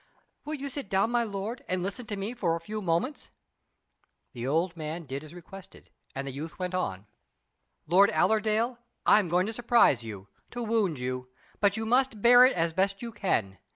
"Will you sit down, my lord, and listen to me for a few moments?" The old man did as requested, and the youth went on: "Lord Allerdale, I am going to surprise you to wound you; but you must bear it as best you can.